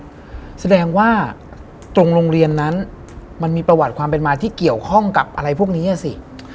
ก็แสดงว่าตรงโรงเรียนนั้นมันมีประวัติความเป็นมาที่เกี่ยวข้องกับอะไรพวกนี้สิ